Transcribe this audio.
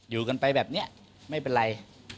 อยู่กันไปแบบนี้ไม่เป็นไร